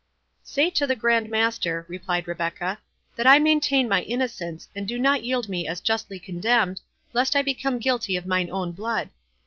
"Say to the Grand Master," replied Rebecca, "that I maintain my innocence, and do not yield me as justly condemned, lest I become guilty of mine own blood.